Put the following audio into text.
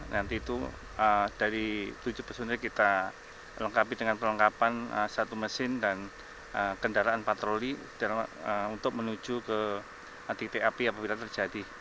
nanti itu dari tujuh personil kita lengkapi dengan perlengkapan satu mesin dan kendaraan patroli untuk menuju ke titik api apabila terjadi